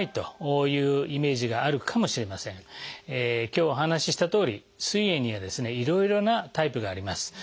今日お話ししたとおりすい炎にはですねいろいろなタイプがあります。